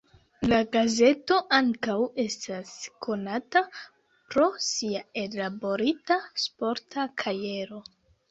La gazeto ankaŭ estas konata pro sia ellaborita sporta kajero.